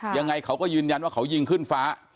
ยังไงเขาก็ยืนยันว่าเขายิงขึ้นฟ้า